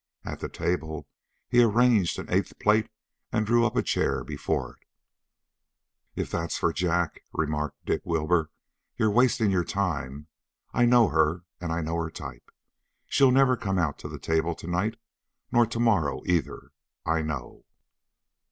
At the table he arranged an eighth plate and drew up a chair before it. "If that's for Jack," remarked Dick Wilbur, "you're wasting your time. I know her and I know her type. She'll never come out to the table tonight nor tomorrow, either. I know!"